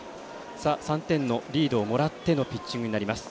３点のリードをもらってのピッチングになります。